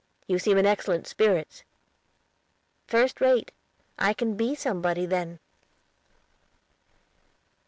You seem in excellent spirits." "First rate; I can be somebody then."